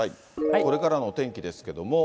これからのお天気ですけれども。